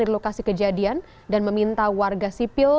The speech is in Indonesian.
di lokasi kejadian dan meminta warga sipil